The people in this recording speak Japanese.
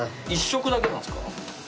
１色だけなんですか？